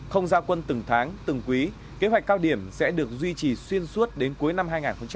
không giao quân từng tháng từng quý kế hoạch cao điểm sẽ được duy trì xuyên suốt đến cuối năm hai nghìn hai mươi